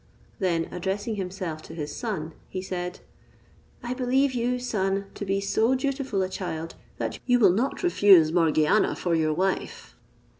Then addressing himself to his son, he said, "I believe you, son, to be so dutiful a child, that you will not refuse Morgiana for your wife.